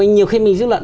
nhiều khi mình dư luận